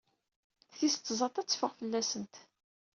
Tis tẓat ad teffeɣ fell-asent.